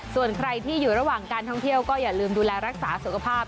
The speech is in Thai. ส่วนใครที่อยู่ระหว่างการท่องเที่ยวก็อย่าลืมดูแลรักษาสุขภาพ